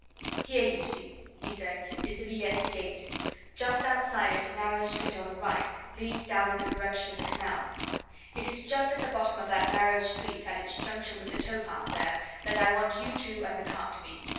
"Here you see," he said, "is the Villette gate. Just outside it a narrow street on the right leads down in the direction of the canal. It is just at the bottom of that narrow street at its junction with the tow path there that I want you two and the cart to be.